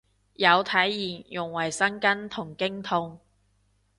有體驗用衛生巾同經痛